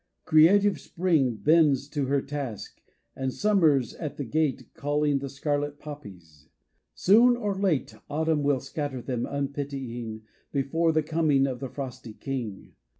Creative spring Bends to her task, and summer's at the gate Calling the scarlet poppies. Soon or late Autumn will scattter them unpitying Before the coming of the frosty king.